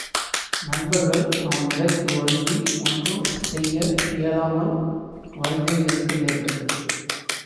நண்பர்கள் அவன் நிலைக்கு வருந்தி, ஒன்றும் செய்ய இயலாமல் வறிதே இருக்க நேர்ந்தது.